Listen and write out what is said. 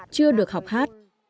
chưa được học hát